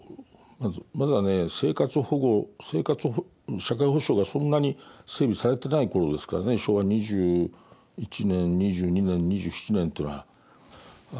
まだね生活保護社会保障がそんなに整備されてない頃ですからね昭和２１年２２年２７年というのは。